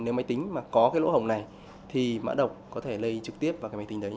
nếu máy tính có lỗ hổng này thì mã độc có thể lây trực tiếp vào máy tính đấy